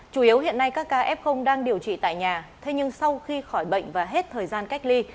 chủ yếu hiện nay các ca f đang điều trị tại nhà thế nhưng sau khi khỏi bệnh và hết thời gian cách ly